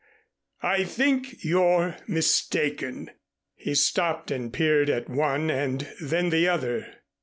_ I think you're mistaken." He stopped and peered at one and then the other.